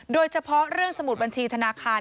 โดยเฉพาะเรื่องสมุดบัญชีธนาคาร